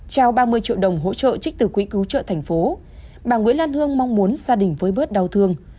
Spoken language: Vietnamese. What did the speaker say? trao ba mươi triệu đồng hỗ trợ trích từ quỹ cứu trợ thành phố bà nguyễn lan hương mong muốn gia đình với bớt đau thương